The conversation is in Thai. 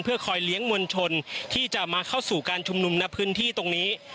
คอยเลี้ยงมวลชนที่จะมาเข้าสู่การชุมนุมในพื้นที่ตรงนี้